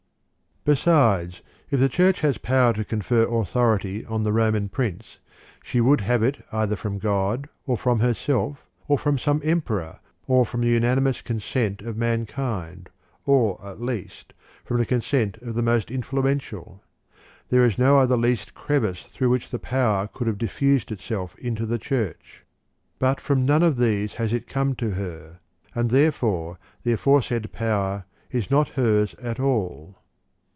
1. Besides, if the Church has power to confer authority on the Roman Prince, she would have it either from God, or from herself, or from some Emperor, or from the unanimous consent of mankind, or at least, from the consent of the most influential. There is no other least crevice through which the power could have diffused itself into the Church. But from none of these has it come to her, and therefore the aforesaid power is not hers at all.